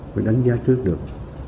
phải đánh giá trước được